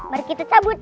baru kita cabut